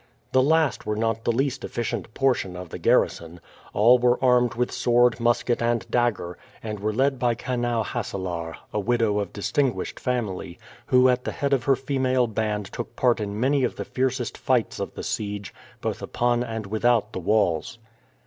The last were not the least efficient portion of the garrison. All were armed with sword, musket, and dagger, and were led by Kanau Hasselaer, a widow of distinguished family, who at the head of her female band took part in many of the fiercest fights of the siege, both upon and without the walls.